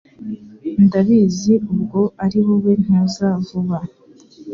ndabizi ubwo ari wowe ntuza vuba